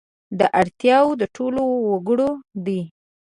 دا اړتیاوې د ټولو وګړو دي.